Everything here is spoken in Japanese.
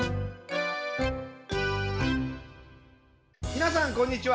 皆さん、こんにちは。